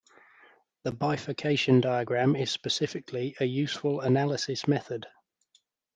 The bifurcation diagram is specifically a useful analysis method.